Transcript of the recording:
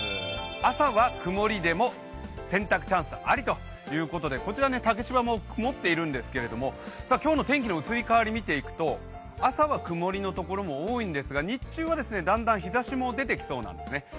朝は曇りでも洗濯チャンスありということでこちら竹芝も曇っているんですけど今日の天気の移り変わりを見ていくと、朝は曇りの所も多いんですが、日中はだんだん日ざしも出てきそうなんですね。